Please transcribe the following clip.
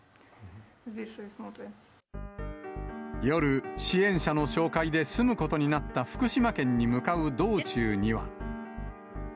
夜、支援者の紹介で住むことになった福島県に向かう道中には。